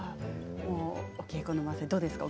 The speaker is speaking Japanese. お稽古の真っ最中どうですか？